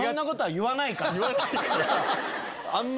言わないから。